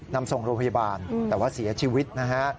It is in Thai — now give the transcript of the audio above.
นำส่งโรงพยาบาลแต่ว่าเสียชีวิตนะฮะ